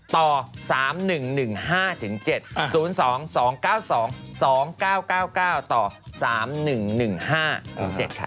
ต่อ๓๑๑๕๗ค่ะ